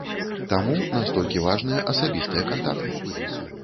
Таму, настолькі важныя асабістыя кантакты.